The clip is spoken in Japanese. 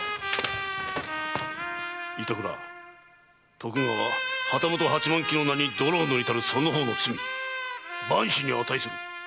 板倉徳川旗本八万騎の名に泥を塗りたるその方の罪万死に値する！